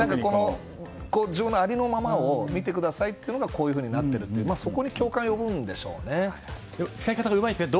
自分のありのままを見てくださいってのがこういうふうになってるって使い方がうまいですね。